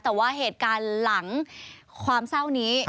แต่ว่าเหตุการณ์หลังความเศร้านี้